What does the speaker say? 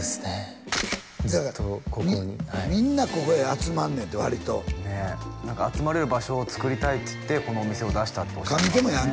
みんなここへ集まんねんて割とねえ何か集まれる場所をつくりたいって言ってこのお店を出したっておっしゃってましたね